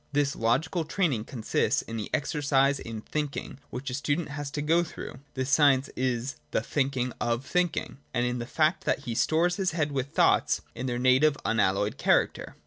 This logical training consists in the exercise in thinking which the student has to go through (this science is the thinking of thinking) : and in the fact that he stores his head with thoughts, in their native unalloyed character.